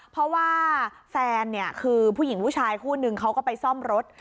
เพราะว่าแฟนเนี่ยคือผู้หญิงผู้ชายคู่นึงเขาก็ไปซ่อมรถ